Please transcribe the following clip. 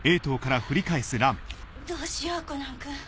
どうしようコナンくん。